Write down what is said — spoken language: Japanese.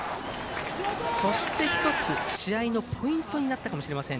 そして、１つ試合のポイントになったかもしれません。